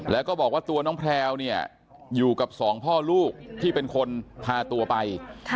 แล้วก็บอกว่าตัวน้องแพลวเนี่ยอยู่กับสองพ่อลูกที่เป็นคนพาตัวไป